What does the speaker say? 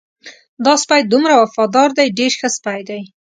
دا سپی دومره وفادار دی ډېر ښه سپی دی.